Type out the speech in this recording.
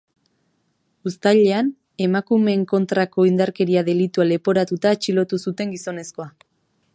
Uztailean, emakumeen kontrako indarkeria delitua leporatuta atxilotu zuten gizonezkoa.